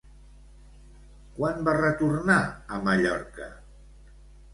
Quan va retornar a Mallorca?